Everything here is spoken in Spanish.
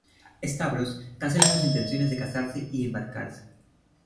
Stavros cancela sus intenciones de casarse y embarcarse.